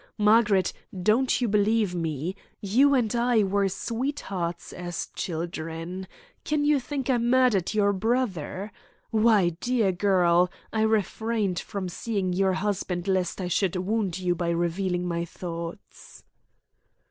Margaret, don't you believe me? You and I were sweethearts as children. Can you think I murdered your brother? Why, dear girl, I refrained from seeing your husband lest I should wound you by revealing my thoughts."